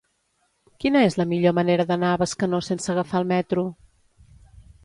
Quina és la millor manera d'anar a Bescanó sense agafar el metro?